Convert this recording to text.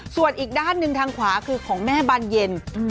ส่วนอีกด้านหนึ่งทางขวาคือของแม่บานเย็น